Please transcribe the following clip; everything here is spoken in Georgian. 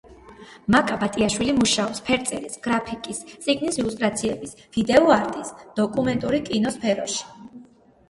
მაკა ბატიაშვილი მუშაობს ფერწერის, გრაფიკის, წიგნის ილუსტრაციების, ვიდეო არტის, დოკუმენტური კინოს სფეროში.